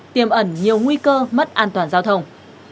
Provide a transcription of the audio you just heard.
tiềm ẩn nhiều nguy cơ mất an toàn giao thông